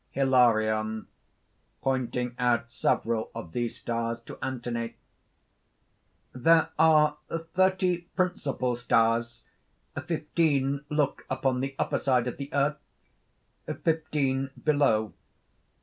_...) HILARION. (pointing out several of these stars to Anthony): "There are thirty principal stars. Fifteen look upon the upper side of the earth; fifteen below.